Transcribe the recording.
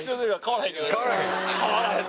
変わらへん？